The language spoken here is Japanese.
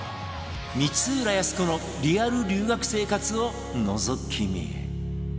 光浦靖子のリアル留学生活をのぞき見